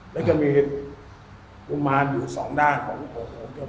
และมีอุมานอยู่สองด้านของโรงเจ้าพ่อ